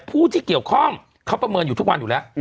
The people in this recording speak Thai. ผู้ที่เกี่ยวข้องเขาประเมินอยู่ทุกวันอยู่แล้ว